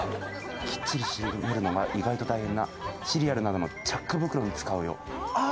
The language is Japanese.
きっちり閉めるの意外と大変なシリアルなどのチャック袋に使うよ。